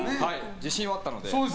自信はあったので。